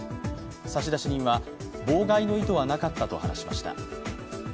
差出人は妨害の意図はなかったと話しました。